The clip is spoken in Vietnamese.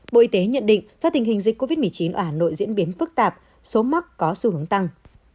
bộ y tế nhận định do tình hình dịch covid một mươi chín ở hà nội diễn biến phức tạp số mắc có xu hướng tăng